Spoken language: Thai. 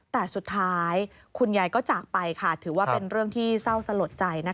แต่สุดท้ายคุณยายก็จากไปค่ะถือว่าเป็นเรื่องที่เศร้าสลดใจ